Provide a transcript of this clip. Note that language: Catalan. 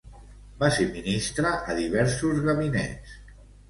Va ser ministre a diversos gabinets.